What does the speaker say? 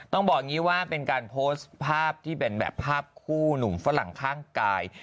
ต้องบอกอย่างนี้ว่าเป็นการโพสต์ภาพที่เป็นแบบภาพคู่หนุ่มฝรั่งข้างกาย